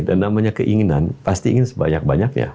dan namanya keinginan pasti ingin sebanyak banyaknya